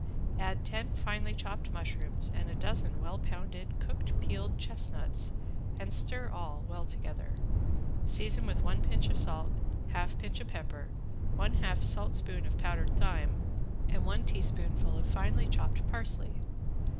Add ten finely chopped mushrooms and a dozen well pounded cooked peeled chestnuts and stir all well together, season with one pinch of salt, half pinch of pepper, one half saltspoon of powdered thyme, and one teaspoonful of finely chopped parsley.